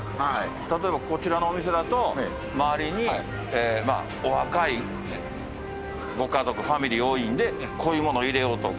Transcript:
例えばこちらのお店だと周りにお若いご家族ファミリー多いんでこういうもの入れようとか。